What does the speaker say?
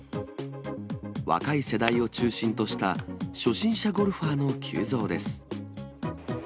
若い世代を中心とした初心者ゴルファーの急増です。